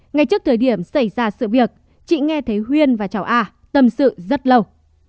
ngay trước thời điểm xảy ra sự việc chị nghe thấy huyên và cháu a tâm sự rất lâu